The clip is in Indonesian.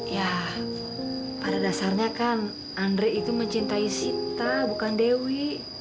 ya pada dasarnya kan andre itu mencintai sinta bukan dewi